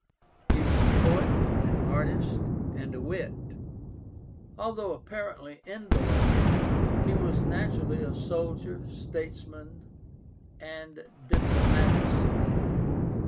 He was a poet, an artist, and a wit. Although apparently indolent, he was naturally a soldier, statesman, and diplomatist.